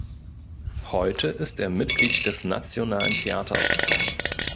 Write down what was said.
Heute ist er Mitglied des Nationalen Theaters.